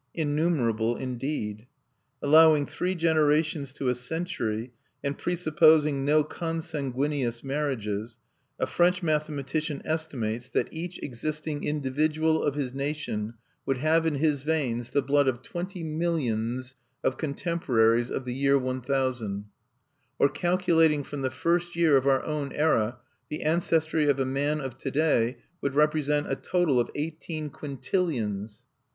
Innumerable indeed! Allowing three generations to a century, and presupposing no consanguineous marriages, a French mathematician estimates that each existing individual of his nation would have in his veins the blood of twenty millions of contemporaries of the year 1000. Or calculating from the first year of our own era, the ancestry of a man of to day would represent a total of eighteen quintillions.